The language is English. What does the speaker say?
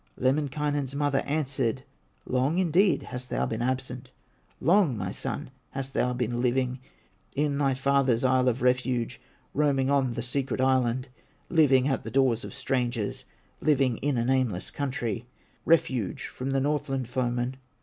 Lemminkainen's mother answered: "Long, indeed, hast thou been absent, Long, my son, hast thou been living In thy father's Isle of Refuge, Roaming on the secret island, Living at the doors of strangers, Living in a nameless country, Refuge from the Northland foemen."